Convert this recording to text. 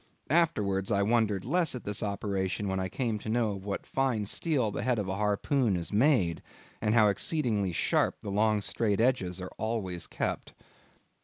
Afterwards I wondered the less at this operation when I came to know of what fine steel the head of a harpoon is made, and how exceedingly sharp the long straight edges are always kept.